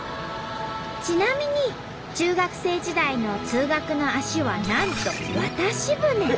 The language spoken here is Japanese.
ちなみに中学生時代の通学の足はなんと渡し船。